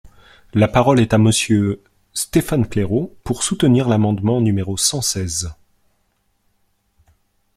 La parole est à Monsieur Stéphane Claireaux, pour soutenir l’amendement numéro cent seize.